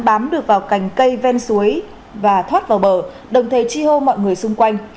bám được vào cành cây ven suối và thoát vào bờ đồng thời chi hô mọi người xung quanh